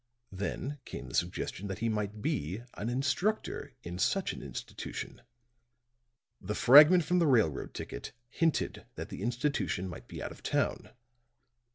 Then came the suggestion that he might be an instructor in such an institution. The fragment from the railroad ticket hinted that the institution might be out of town.